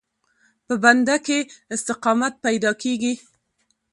په بنده کې استقامت پیدا کېږي.